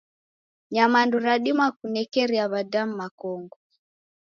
Nyamandu radima kunekeria w'adamu makongo.